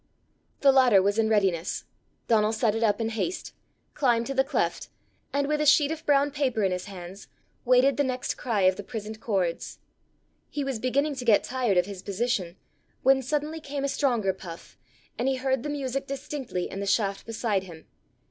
The ladder was in readiness; Donal set it up in haste, climbed to the cleft, and with a sheet of brown paper in his hands, waited the next cry of the prisoned chords. He was beginning to get tired of his position, when suddenly came a stronger puff, and he heard the music distinctly in the shaft beside him.